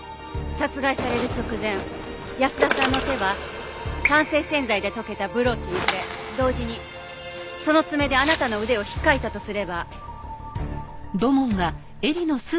殺害される直前保田さんの手は酸性洗剤で溶けたブローチに触れ同時にその爪であなたの腕を引っ掻いたとすれば。